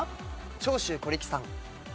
長州小力さん。